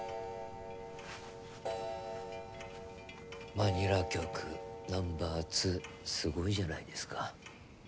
マニラ局ナンバー２すごいじゃないですか。